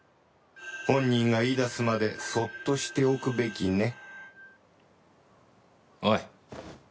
本人が言い出すまでそっとしておくべきねおい。